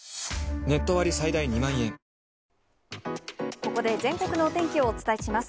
ここで全国のお天気をお伝えします。